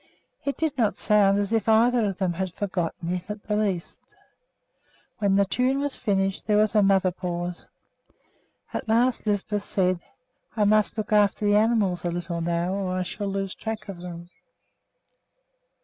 It did not sound as if either of them had forgotten it in the least. When the tune was finished there was another pause. At last Lisbeth said, "I must look after the animals a little now, or I shall lose track of them."